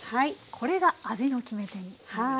これが味の決め手になります。